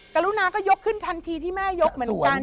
กรุณาก็ยกขึ้นทันทีที่แม่ยกเหมือนกัน